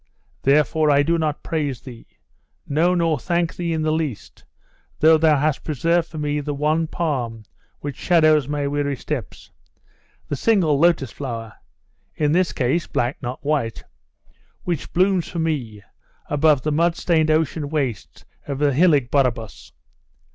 Therefore I do not praise thee no, nor thank thee in the least, though thou hast preserved for me the one palm which shadows my weary steps the single lotus flower (in this case black, not white) which blooms for me above the mud stained ocean wastes of the Hylic Borboros.